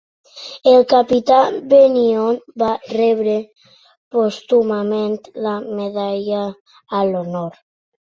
El capità Bennion va rebre pòstumament la Medalla a l'Honor.